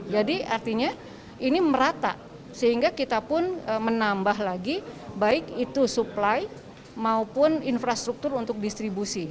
jadi artinya ini merata sehingga kita pun menambah lagi baik itu suplai maupun infrastruktur untuk distribusi